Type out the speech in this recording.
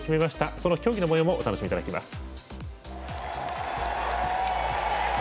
その競技のもようもお楽しみいただきます。